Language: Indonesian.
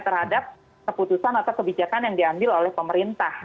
terhadap keputusan atau kebijakan yang diambil oleh pemerintah